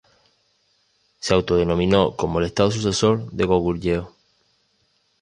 Se autodenominó como el estado sucesor de Goguryeo.